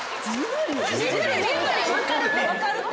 分かるて。